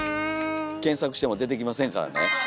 検索しても出てきませんからね。